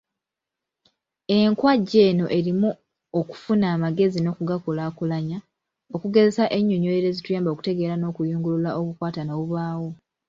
Enkwajja eno erimu okufuna amagezi n’okugakulaakulanya, okugezesa ennyinnyonnyolero ezituyamba okutegeera n’okuyungulula obukwatane obubaawo.